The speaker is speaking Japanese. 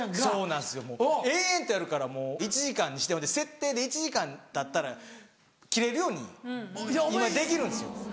そうなんですよ延々とやるから１時間にして設定で１時間たったら切れるように今できるんですよ。